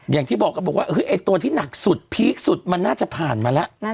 อย่างที่บอกก็บอกว่าไอ้ตัวที่หนักสุดพีคสุดมันน่าจะผ่านมาแล้ว